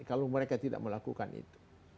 kalau mereka tidak melakukan itu